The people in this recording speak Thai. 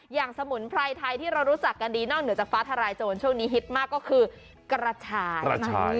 สมุนไพรไทยที่เรารู้จักกันดีนอกเหนือจากฟ้าทลายโจรช่วงนี้ฮิตมากก็คือกระชาย